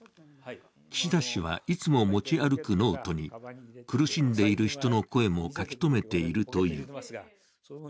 岸田氏は、いつも持ち歩くノートに苦しんでいる人の声も書き留めているという。